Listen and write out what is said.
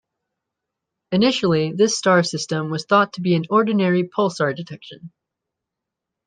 Initially this star system was thought to be an ordinary pulsar detection.